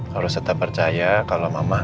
kalau tetap percaya kalau mama